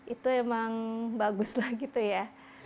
itu emang bagus lah gitu ya